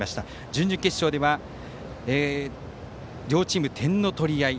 準々決勝では両チーム点の取り合い。